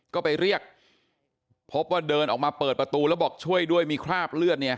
ก็ไปเรียกพบว่าเดินออกมาเปิดประตูแล้วบอกช่วยด้วยมีคราบเลือดเนี่ย